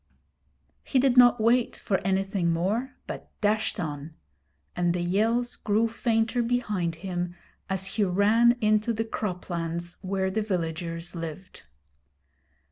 He did not wait for anything more, but dashed on; and the yells grew fainter behind him as he ran into the croplands where the villagers lived.